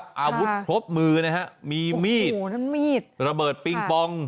ค่ะอาวุธครบมือนะฮะมีมีดโอ้โฮเฮ้ยน้ำมีดระเบิดปิ๊งปอง